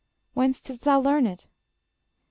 Whence didst thou learn it? _Aegis.